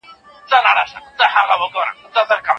پیلنۍ بڼه تر وروستۍ هغې زیاته ارزښتمنه ده.